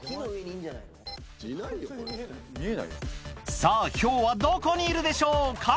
さぁヒョウはどこにいるでしょうか？